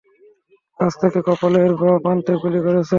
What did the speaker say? কাছ থেকে কপালের বাঁ প্রান্তে গুলি করেছে।